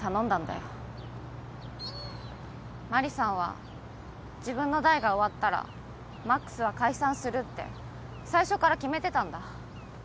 マリさんは自分の代が終わったら魔苦須は解散するって最初から決めてたんだ。